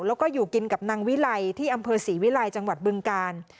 แล้วก็อยู่กินกับนางวิไลที่อำเภอศรีวิลัยจังหวัดบึงกาล